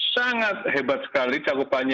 sangat hebat sekali cakupan